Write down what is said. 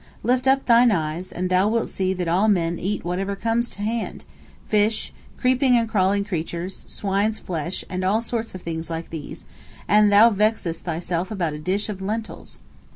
"Lift up thine eyes, and thou wilt see that all men eat whatever comes to hand—fish, creeping and crawling creatures, swine's flesh, and all sorts of things like these, and thou vexest thyself about a dish of lentils."